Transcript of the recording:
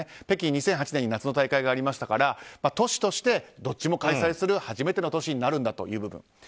北京は２００８年に夏の大会がありましたから都市として、どっちも開催する初めての都市になるという部分。